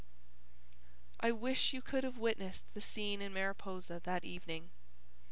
I wish you could have witnessed the scene in Mariposa that evening.